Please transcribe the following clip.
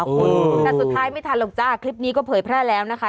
แต่สุดท้ายไม่ทันหรอกจ้าคลิปนี้ก็เผยแพร่แล้วนะคะ